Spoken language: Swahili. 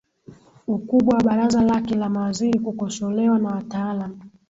ukubwa wa baraza lake la mawaziri kukosolewa na wataalam